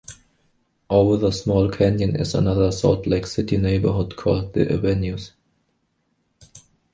Over the small canyon is another Salt Lake City neighborhood called "the Avenues".